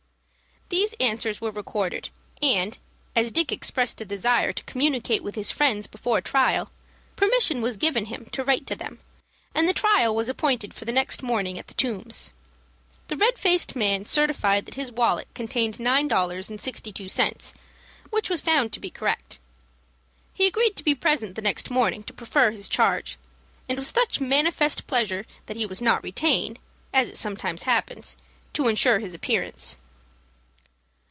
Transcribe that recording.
These answers were recorded, and, as Dick expressed a desire to communicate with his friends before trial, permission was given him to write to them, and the trial was appointed for the next morning at the Tombs. The red faced man certified that his wallet contained nine dollars and sixty two cents, which was found to be correct. He agreed to be present the next morning to prefer his charge, and with such manifest pleasure that he was not retained, as it sometimes happens, to insure his appearance.